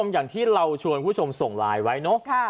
อย่างที่เราชวนคุณผู้ชมส่งไลน์ไว้เนอะ